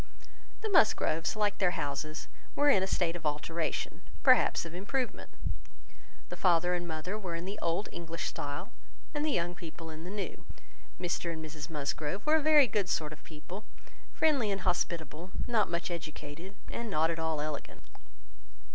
The Musgroves, like their houses, were in a state of alteration, perhaps of improvement. The father and mother were in the old English style, and the young people in the new. Mr and Mrs Musgrove were a very good sort of people; friendly and hospitable, not much educated, and not at all elegant.